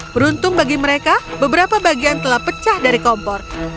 beruntung bagi mereka beberapa bagian telah pecah dari kompor